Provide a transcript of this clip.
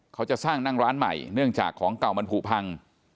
เขาจะสร้างนั่งร้านใหม่เนื่องจากของเก่ามันผูกพัง